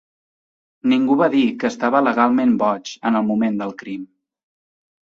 Ningú va dir que estava legalment boig en el moment del crim.